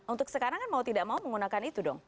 untuk sekarang kan mau tidak mau menggunakan itu dong